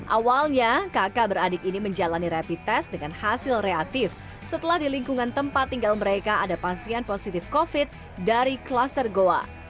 awalnya kakak beradik ini menjalani rapid test dengan hasil reaktif setelah di lingkungan tempat tinggal mereka ada pasien positif covid dari kluster goa